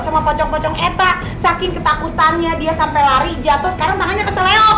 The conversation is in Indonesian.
sama pocong pocong eta saking ketakutannya dia sampai lari jatuh sekarang tangannya keseleok